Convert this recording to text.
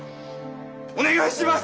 お願いします！